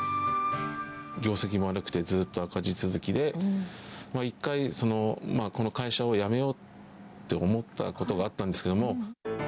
業績も悪くて、ずっと赤字続きで、一回、この会社を辞めようって思ったことがあったんですけども。